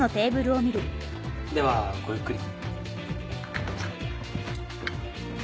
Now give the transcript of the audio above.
ではごゆっくり。